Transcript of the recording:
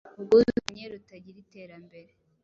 ubwuzuzanye, rutagira iterambere.